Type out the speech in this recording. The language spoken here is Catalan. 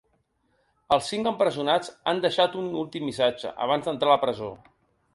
Els cinc empresonats han deixat un últim missatge abans d’entrar a la presó.